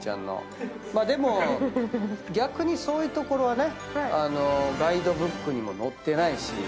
でも逆にそういうところはねガイドブックにも載ってないし。